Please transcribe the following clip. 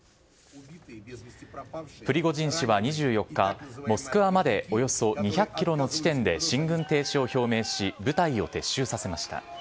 プリゴジン氏は２４日、モスクワまでおよそ２００キロの地点で進軍停止を表明し、部隊を撤収させました。